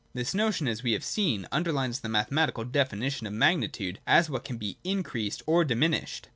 This notion, as we have seen, underlies the mathematical definition of magni tude as what can be increased or diminished.